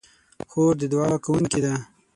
خور د دعا کوونکې ده.